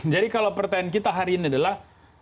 jadi kalau pertanyaan kita hari ini adalah